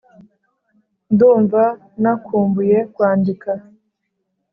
Ndumva nakumbuye kwandika